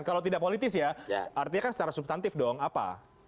kalau tidak politis ya artinya kan secara subtantif dong apa